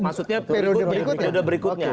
maksudnya periode berikutnya